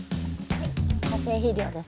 はい。